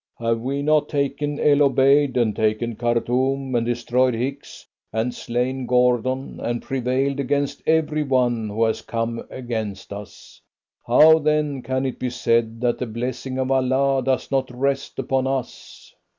Have we not taken El Obeid, and taken Khartoum, and destroyed Hicks and slain Gordon, and prevailed against every one who has come against us? How, then, can it be said that the blessing of Allah does not rest upon us?"